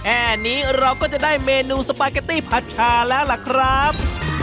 แค่นี้เราก็จะได้เมนูสปาเกตตี้ผัดชาแล้วล่ะครับ